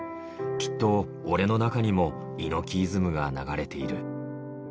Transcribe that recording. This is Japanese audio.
きっと俺の中にも猪木イズムが流れている。